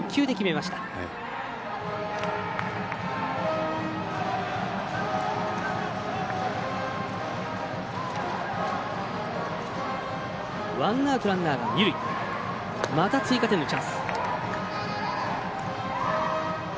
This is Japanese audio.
また追加点のチャンス。